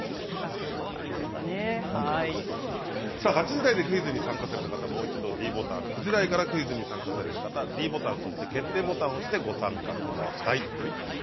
８時台でクイズに参加された方はもう一度ｄボタン９時台からご参加の方はｄボタンと決定ボタンを押してご参加ください。